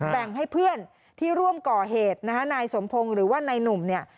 แบ่งให้เพื่อนที่ร่วมก่อเหตุนะฮะนายสมพงศ์หรือว่านายหนุ่มเนี่ย